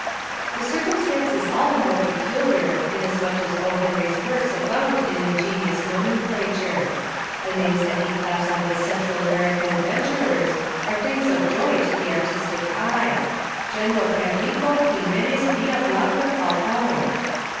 The circumstance is all the more peculiar in asmuch as O. Henry's works abound in ingeni ous nomenclature. The names that he claps on his Central American adventurers are things of joy to the artistic eye, — General Perrico Ximenes Villablanca Falcon